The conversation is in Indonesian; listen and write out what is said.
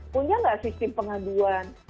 punya nggak sistem pengaduan